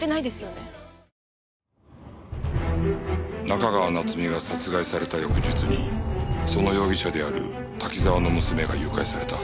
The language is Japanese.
中川夏美が殺害された翌日にその容疑者である滝沢の娘が誘拐された